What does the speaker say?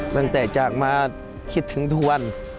ตั้งแต่จากมาคิดถึงทุกวัน